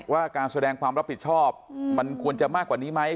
ว่าการแสดงความรับผิดชอบมันควรจะมากกว่านี้ไหม